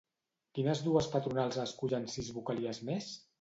Quines dues patronals escullen sis vocalies més?